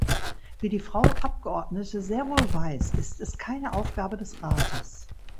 Wie die Frau Abgeordnete sehr wohl weiß, ist es keine Aufgabe des Rates.